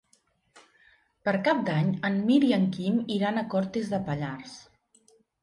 Per Cap d'Any en Mirt i en Quim iran a Cortes de Pallars.